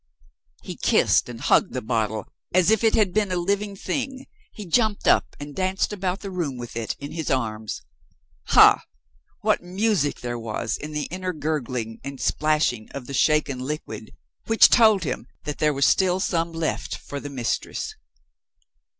He kissed and hugged the bottle as if it had been a living thing. He jumped up and danced about the room with it in his arms. Ha! what music there was in the inner gurgling and splashing of the shaken liquid, which told him that there was still some left for the Mistress!